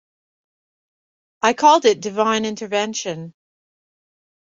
I called it divine intervention.